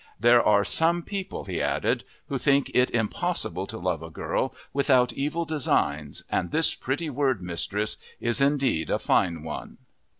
"There are some people," he added, "who think it impossible to love a girl without evil designs and this pretty word mistress is indeed a fine one!"